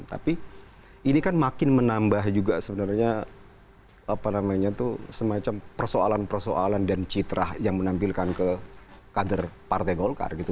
tapi ini kan makin menambah juga sebenarnya semacam persoalan persoalan dan citra yang menampilkan ke kader partai golkar gitu